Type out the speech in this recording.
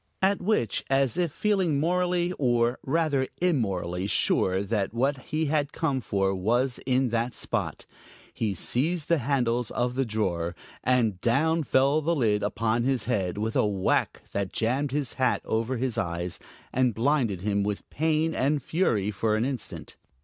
At which, as if feeling morally, or rather immorally, sure that what he had come for was in that spot, he seized the handles of the drawer, and down fell the lid upon his head with a whack that jammed his hat over his eyes and blinded him with pain and fury for an instant.